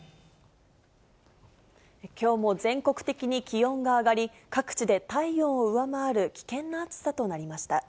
きょうも全国的に気温が上がり、各地で体温を上回る危険な暑さとなりました。